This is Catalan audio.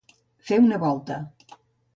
Fer una volta.